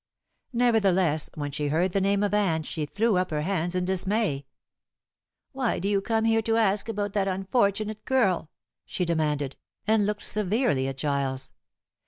Nevertheless when she heard the name of Anne she threw up her hands in dismay. "Why do you come here to ask about that unfortunate girl?" she demanded, and looked severely at Giles.